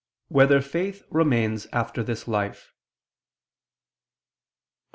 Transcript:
3] Whether Faith Remains After This Life?